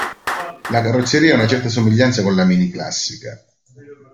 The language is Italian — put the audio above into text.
La carrozzeria ha una certa somiglianza con la Mini classica.